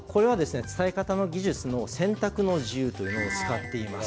伝え方の技術の選択の自由というのを使っています。